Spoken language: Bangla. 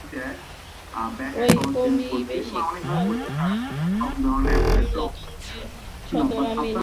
ঔপনিবেশিক আমলাতন্ত্রে সদর আমিন ছিল প্রথম স্থানীয় সদস্য।